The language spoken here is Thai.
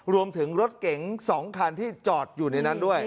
รวมถึงรถเก๋ง๒คันที่จอดอยู่ในนั้นด้วย